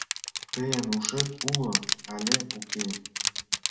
Тыйын ушет уло але уке?!